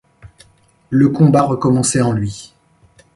Le combat recommençait en lui.